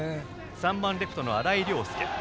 ３番レフトの荒居涼祐。